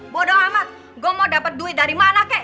bodoh amat gue mau dapat duit dari mana kek